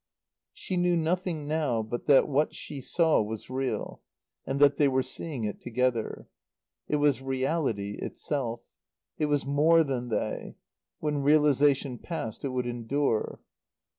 She knew nothing now but that what she saw was real, and that they were seeing it together. It was Reality itself. It was more than they. When realization passed it would endure.